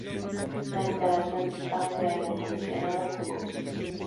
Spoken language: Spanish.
La instalación dispone de aire acondicionado con cocina.